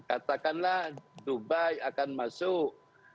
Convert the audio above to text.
misalkanlah dubai akan masuk